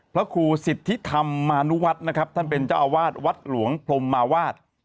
พระครูสิทธิธรรมานุวัฒน์นะครับท่านเป็นเจ้าอาวาสวัดหลวงพรมมาวาด